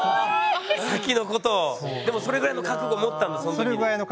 でもそれぐらいの覚悟持ったんだそのときに。